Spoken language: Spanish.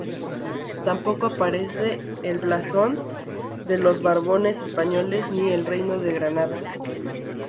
Tampoco aparece el blasón de los Borbones españoles ni el Reino de Granada.